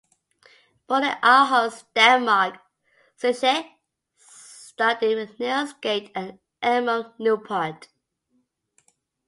Born in Aarhus, Denmark, Schytte studied with Niels Gade and Edmund Neupert.